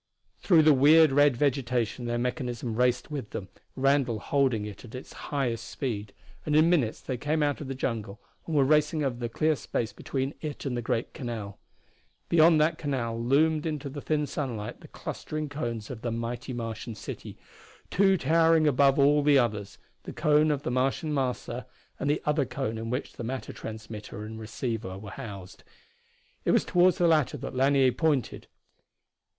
Through the weird red vegetation their mechanism raced with them, Randall holding it at its highest speed, and in minutes they came out of the jungle and were racing over the clear space between it and the great canal. Beyond that canal loomed into the thin sunlight the clustering cones of the mighty Martian city, two towering above all the others the cone of the Martian Master and the other cone in which was the matter transmitter and receiver. It was toward the latter that Lanier pointed.